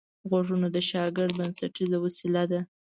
غوږونه د شاګرد بنسټیزه وسیله ده